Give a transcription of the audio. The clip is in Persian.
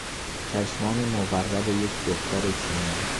چشمان مورب یک دختر چینی